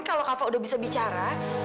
kalau kakak udah bisa bicara